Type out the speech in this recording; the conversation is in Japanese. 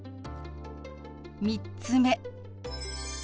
３つ目。